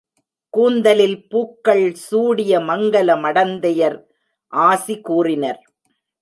கூந்தலில் பூக்கள் சூடிய மங்கல மடந்தையர் ஆசி கூறினர்.